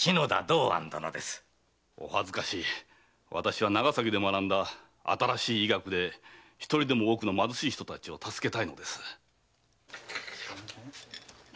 お恥ずかしい私は長崎で学んだ新しい医学で一人でも多くの貧しい人たちを助けたいのです。